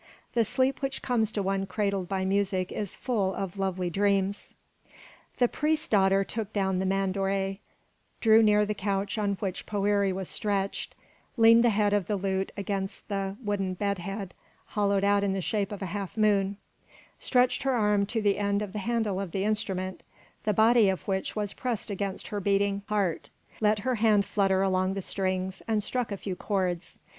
The sleep which comes to one cradled by music is full of lovely dreams." The priest's daughter took down the mandore, drew near the couch on which Poëri was stretched, leaned the head of the lute against the wooden bed head hollowed out in the shape of a half moon, stretched her arm to the end of the handle of the instrument, the body of which was pressed against her beating heart, let her hand flutter along the strings, and struck a few chords.